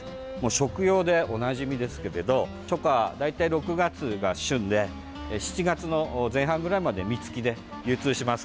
食用でおなじみですけれど初夏、大体６月が旬で７月の前半ぐらいまで実つきで流通します。